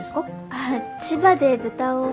あっ千葉で豚を。